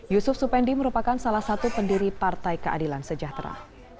yusuf supendi merupakan salah satu pendiri partai keadilan sejahtera